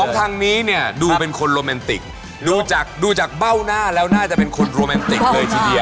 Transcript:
ทางนี้เนี่ยดูเป็นคนโรแมนติกดูจากดูจากเบ้าหน้าแล้วน่าจะเป็นคนโรแมนติกเลยทีเดียว